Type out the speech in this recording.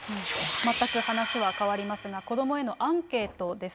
全く話は変わりますが、子どもへのアンケートです。